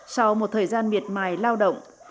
sau một thời gian miệt mài lao động